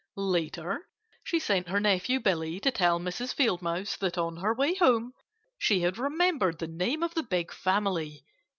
Later she sent her nephew Billy to tell Mrs. Field Mouse that on her way home she had remembered the name of the big family.